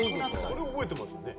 これは覚えてますよね？